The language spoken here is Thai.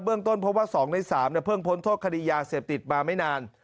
เรื่องต้นพบว่า๒ใน๓เพิ่งพ้นโทษคดียาเสพติดมาไม่นาน